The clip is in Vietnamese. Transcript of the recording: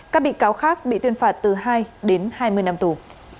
các bị cáo khác bị tuyên phạt từ hai đến hai mươi năm tù